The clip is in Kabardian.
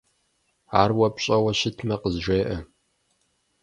Ар уэ пщӀэуэ щытмэ, къызжеӏэ.